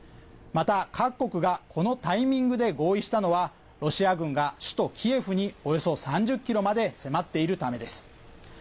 また、各国がこのタイミングで合意したのはロシア軍が首都キエフにおよそ３０ｋｍまで迫っているためです。